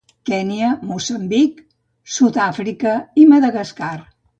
Kenya, Moçambic, Sud-àfrica i Madagascar.